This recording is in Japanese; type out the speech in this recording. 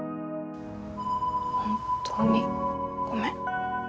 本当にごめん。